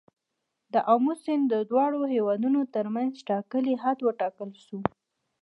آمو سیند د دواړو هیوادونو تر منځ ټاکلی حد وټاکل شو.